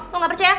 lu gak percaya